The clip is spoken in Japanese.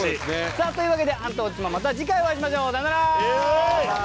さあというわけで『アンタウォッチマン！』また次回お会いしましょう。さようなら！